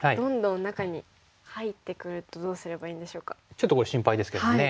ちょっとこれ心配ですけどもね。